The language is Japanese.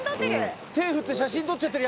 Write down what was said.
手え振って写真撮っちゃってる。